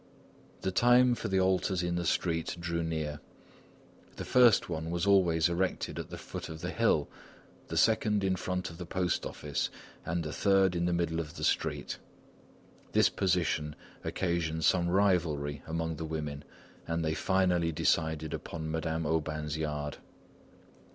The time for the altars in the street drew near. The first one was always erected at the foot of the hill, the second in front of the post office, and the third in the middle of the street. This position occasioned some rivalry among the women and they finally decided upon Madame Aubain's yard.